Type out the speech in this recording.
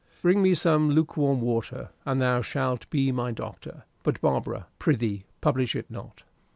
"Bring me some luke warm water, and thou shalt be my doctor. But, Barbara, prithee publish it not."